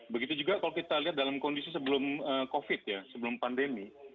begitu juga kalau kita lihat dalam kondisi sebelum covid ya sebelum pandemi